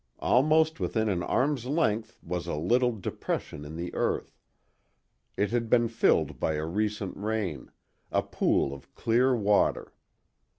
Almost within an arm's length was a little depression in the earth; it had been filled by a recent rain—a pool of clear water.